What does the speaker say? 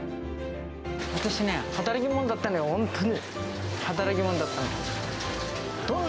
私ね、働き者だったのよ、本当に、働き者だったの。